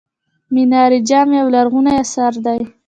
منار جام یو لرغونی اثر دی.